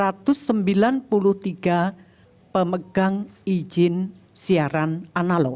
saat ini sedang dilakukan pemegang izin siaran analog